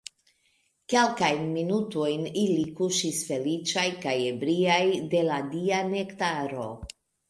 Kelkajn minutojn ili kuŝis feliĉaj kaj ebriaj de la dia nektaro.